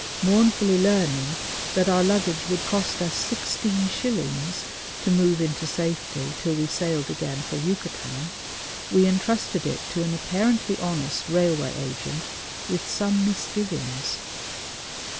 Mournfully learning that our luggage would cost us sixteen shillings to move into safety till we sailed again for Yucatan, we entrusted it to an apparently honest Railway Agent with some misgivings.